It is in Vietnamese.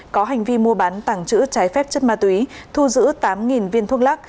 có hành vi mua bán tàng trữ trái phép chất ma túy thu giữ tám viên thuốc lắc